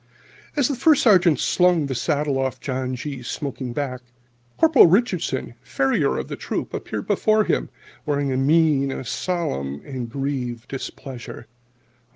As the First Sergeant slung the saddle off John G.'s smoking back, Corporal Richardson, farrier of the Troop, appeared before him wearing a mien of solemn and grieved displeasure.